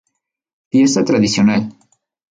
Fiesta tradicional.